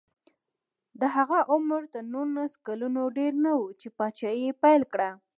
د هغه عمر تر نولس کلونو ډېر نه و چې پاچاهي یې پیل کړه.